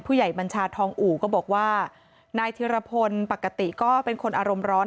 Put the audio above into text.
บัญชาทองอู่ก็บอกว่านายธิรพลปกติก็เป็นคนอารมณ์ร้อน